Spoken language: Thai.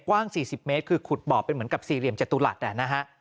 กว้าง๔๐เมตรคือขุดบ่อเป็นเหมือนกับสี่เหลี่ยมจตุรัสนะฮะ